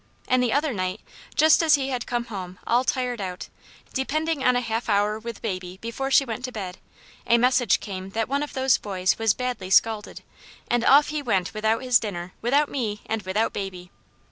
And the other night, just as he had come home all tired out, depending on a half hour with baby before she went to bed, a message came that one of those boys was badly scalded, and off he went v/ithout his dinner, without me, and without baby."